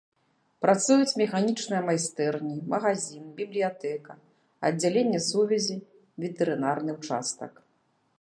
Працуюць механічныя майстэрні, магазін, бібліятэка, аддзяленне сувязі, ветэрынарны ўчастак.